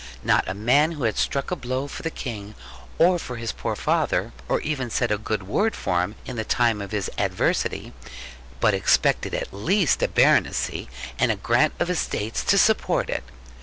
Not a man who had struck a blow for the King, or for his poor father, or even said a good word for him, in the time of his adversity, but expected at least a baronetcy, and a grant of estates to support it.